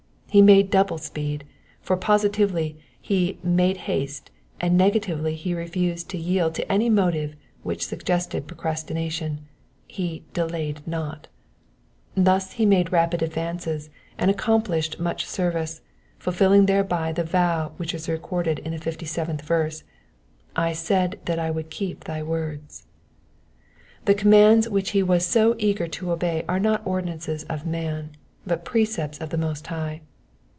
He made double speed ; for positively he "made haste," and negatively he refused to yield to any motive which suggested procrastination, — he delayed not." Thus he made rapid advances and accomplished much service, fulfilling thereby the vow which is recorded in the 57th verse :I said that I would keep thy words." The commands which he was so eager to obey were not ordinances of man, but precepts of the Most High.